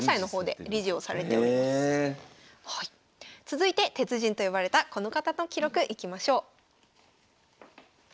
続いて鉄人と呼ばれたこの方の記録いきましょう。